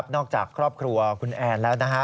นอกจากครอบครัวคุณแอนแล้วนะฮะ